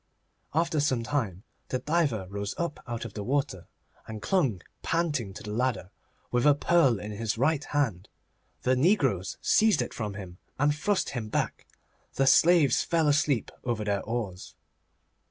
After some time the diver rose up out of the water, and clung panting to the ladder with a pearl in his right hand. The negroes seized it from him, and thrust him back. The slaves fell asleep over their oars.